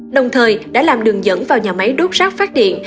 đồng thời đã làm đường dẫn vào nhà máy đốt rác phát điện